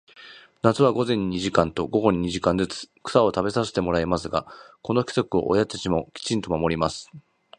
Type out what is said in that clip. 夏は午前に二時間と、午後に二時間ずつ、草を食べさせてもらいますが、この規則を親たちもきちんと守ります。